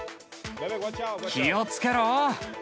気をつけろ。